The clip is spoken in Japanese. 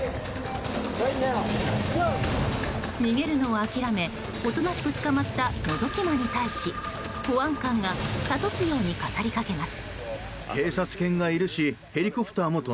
逃げるのを諦めおとなしく捕まったのぞき魔に対し保安官が諭すように語りかけます。